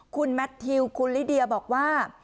คุณแมททิวคุณลิเดียบอกว่า